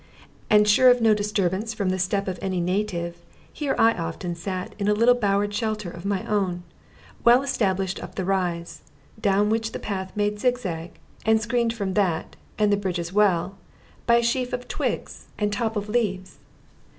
And sure of no disturbance from the step of any native, here I often sat in a little bowered shelter of my own, well established up the rise, down which the path made zigzag, and screened from that and the bridge as well by sheaf of twigs and lop of leaves.